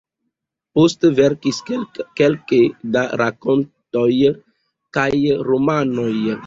Poste verkis kelke da rakontoj kaj romanoj.